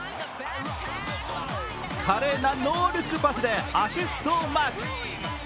華麗なノールックパスでアシストをマーク。